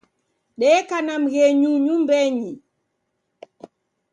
Deka na mghenyu nyumbenyi.